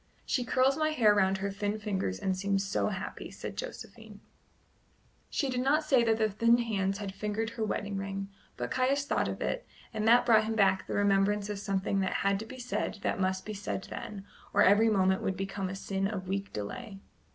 "She curls my hair round her thin fingers and seems so happy," said Josephine. She did not say that the thin hands had fingered her wedding ring; but Caius thought of it, and that brought him back the remembrance of something that had to be said that must be said then, or every moment would become a sin of weak delay.